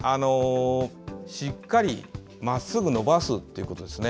しっかりまっすぐ伸ばすということですね。